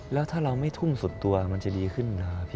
แล้วถ้าเราไม่ทุ่มสุดตัวมันจะดีขึ้น